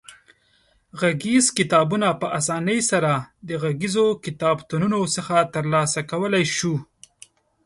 غږیز کتابونه په اسانۍ سره د غږیزو کتابتونونو څخه ترلاسه کولای شو.